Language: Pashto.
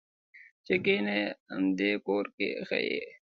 چې کېنه همدې کور کې ښه یې.